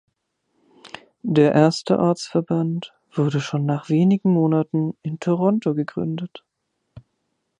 Der erste Ortsverband wurde schon nach wenigen Monaten in Toronto gegründet.